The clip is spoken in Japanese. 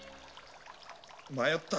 迷った。